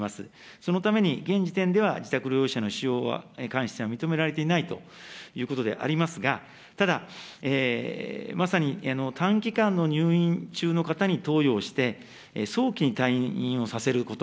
そのために現時点では自宅療養者の使用に関しては認められていないということでありますが、ただ、まさに短期間の入院中の方に投与をして、早期に退院をさせること。